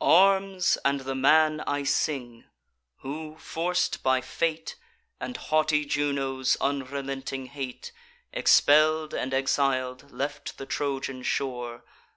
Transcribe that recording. Arms, and the man I sing, who, forc'd by fate, And haughty Juno's unrelenting hate, Expell'd and exil'd, left the Trojan shore.